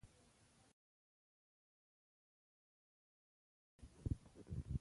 ابراهیم لینکلن وایي نوی کتاب غوره دوست دی.